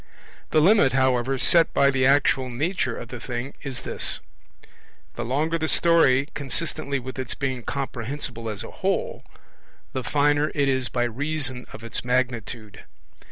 The limit, however, set by the actual nature of the thing is this: the longer the story, consistently with its being comprehensible as a whole, the finer it is by reason of its magnitude.